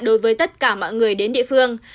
đối với tất cả mọi người đến địa phương